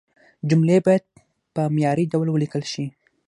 جملې باید په معياري ډول ولیکل شي.